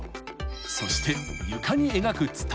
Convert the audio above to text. ［そして床に描くつた］